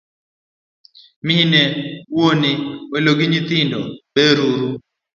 Mine, wuone, welo gi nyithindo ber uru?